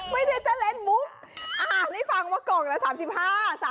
ไม่ได้จะเล่นมุกนี่ฟังว่ากล่องละ๓๕๓กล่องเท่าไหร่